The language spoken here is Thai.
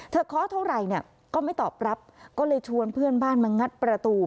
เคาะเท่าไหร่เนี่ยก็ไม่ตอบรับก็เลยชวนเพื่อนบ้านมางัดประตู